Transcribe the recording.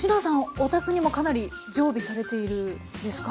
お宅にもかなり常備されているんですか？